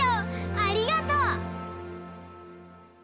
ありがとう！